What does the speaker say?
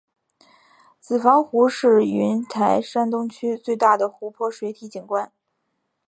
子房湖是云台山东区最大的湖泊水体景观。